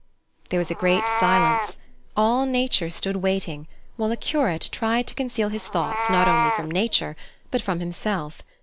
There was a great silence. All nature stood waiting, while a curate tried to conceal his thoughts not only from nature but from himself.